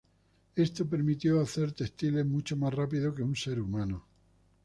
Esto permitió hacer textiles mucho más rápido que un ser humano.